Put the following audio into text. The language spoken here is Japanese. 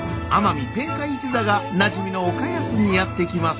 海天海一座がなじみの岡安にやって来ます。